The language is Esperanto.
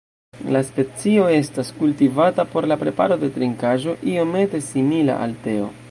La specio estas kultivata por la preparo de trinkaĵo iomete simila al teo.